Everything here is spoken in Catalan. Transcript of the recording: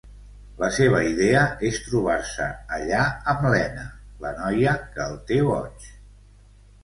La seva idea és trobar-se allà amb Lena, la noia que el té boig.